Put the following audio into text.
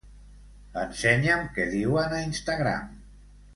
Ensenya'm què diuen a Instagram.